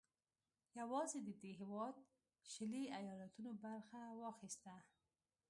یوازې د دې هېواد شلي ایالتونو برخه واخیسته.